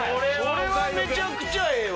それはめちゃくちゃええわ。